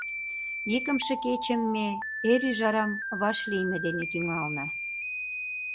Икымше кечым ме эр ӱжарам вашлийме дене тӱҥална.